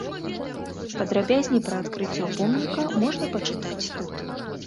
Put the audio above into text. Падрабязней пра адкрыццё помніка можна пачытаць тут.